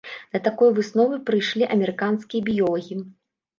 Да такой высновы прыйшлі амерыканскія біёлагі.